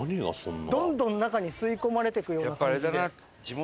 どんどん中に吸い込まれていくような感じで。